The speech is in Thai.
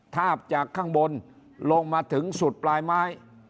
ภาพจากข้างบนลงมาถึงสุดปลายไม้